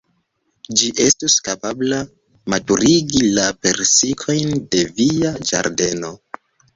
Ĝi estus kapabla maturigi la persikojn de via ĝardeno.